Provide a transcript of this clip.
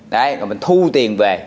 đấy rồi mình thu tiền về